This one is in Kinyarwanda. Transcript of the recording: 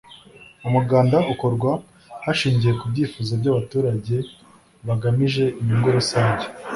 umuganda ukorwa hashingiwe ku byifuzo by’abaturage bagamije inyungu rusange